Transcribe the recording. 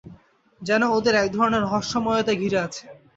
যেন ওদের এক ধরনের রহস্যময়তা ঘিরে আছে।